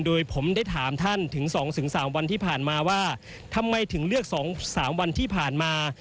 โดยผมได้ถามท่านถึงสองถึงสามวันที่ผ่านมาว่าทำไมถึงเลือกสองสามวันที่ผ่านมา